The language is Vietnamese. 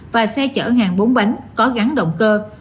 và xe chở hàng bốn bánh có gắn động cơ